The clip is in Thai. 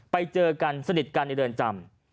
ไปเจอกันสนิทกันในเรือนจำ